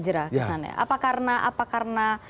jerah kesannya apa karena